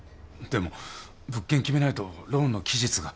でも物件決めないとローンの期日が。